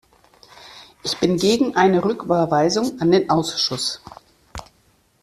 Ich bin gegen eine Rücküberweisung an den Ausschuss.